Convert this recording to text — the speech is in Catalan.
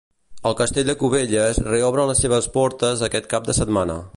El Castell de Cubelles reobre les seves portes aquest cap de setmana.